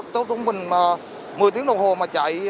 cho tổng bình một mươi tiếng đồng hồ mà chạy